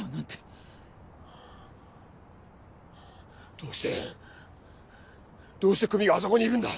どうしてどうして久実があそこにいるんだ。